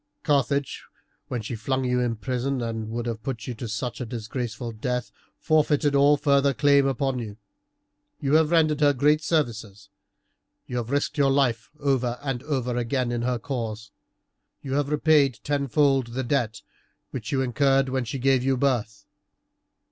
Carthage, when she flung you in prison and would have put you to a disgraceful death, forfeited all further claim upon you. You have rendered her great services, you have risked your life over and over again in her cause, you have repaid tenfold the debt which you incurred when she gave you birth.